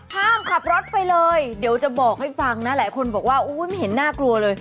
ห้ามขับรถไปเลยเดี๋ยวจะบอกให้ฟังนะหลายคนบอกว่าโอ้ยไม่เห็นน่ากลัวเลย